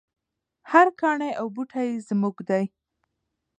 هر کاڼی او بوټی یې زموږ دی.